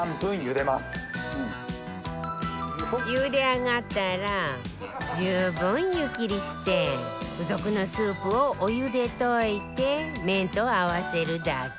茹で上がったら十分湯切りして付属のスープをお湯で溶いて麺と合わせるだけ